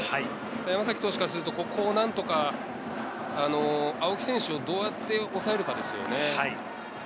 山崎投手からすると、ここを何とか青木選手をどうやって抑えるかですね。